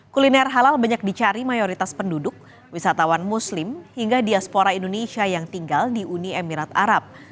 kuliner halal banyak dicari mayoritas penduduk wisatawan muslim hingga diaspora indonesia yang tinggal di uni emirat arab